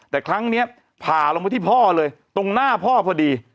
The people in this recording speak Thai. แต่ครั้งนี้ผ่าลงไปที่พ่อเลยตรงหน้าพ่อพอดี